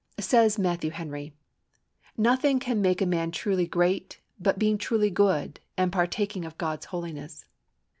Says Matthew Henry: "Nothing can make a man truly great but being truly good, and partaking of God's holiness."